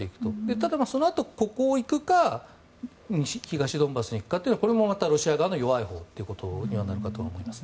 ただ、そのあとここに行くか東、ドンバスに行くかはこれもまたロシア側の弱いほうということになるかと思います。